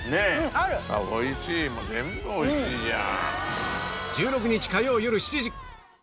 あっおいしいもう全部おいしいじゃん！